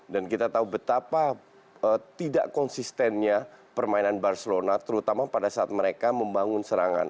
dan kita tahu betapa tidak konsistennya permainan barcelona terutama pada saat mereka membangun serangan